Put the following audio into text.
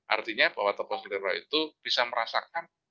artinya bahwa teplosin role itu bisa merasakan